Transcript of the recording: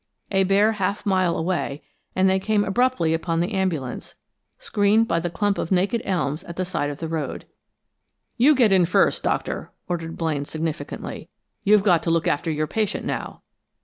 A bare half mile away, and they came abruptly upon the ambulance, screened by the clump of naked elms at the side of the road. "You get in first, Doctor," ordered Blaine, significantly. "You've got to look after your patient now."